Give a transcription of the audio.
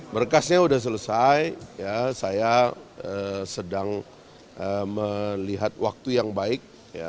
berkasnya sudah selesai saya sedang melihat waktu yang baik